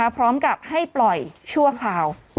พร้อมกับให้ปล่อยชั่วคราว